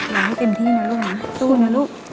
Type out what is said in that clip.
แรงให้เต็มที่นะลูกนะ